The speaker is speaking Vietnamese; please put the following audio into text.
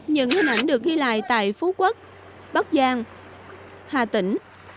những hình ảnh được ghi lại tại phú quốc bắc giang hà tĩnh